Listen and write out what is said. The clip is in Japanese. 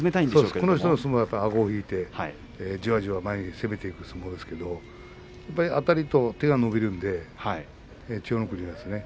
この人はあごを引いてじわじわ攻めていく相撲ですけどあたると手が伸びるので千代の国ですね